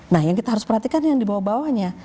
nah yang kita harus perhatikan yang di bawah bawahnya